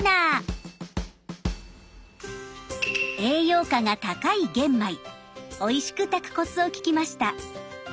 栄養価が高い玄米おいしく炊くコツを聞きました。